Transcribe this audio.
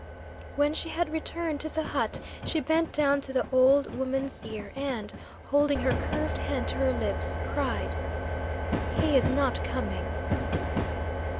When she had returned to the hut, she bent down to the old woman's ear and, holding her curved hand to her lips, cried, "He is not coming!"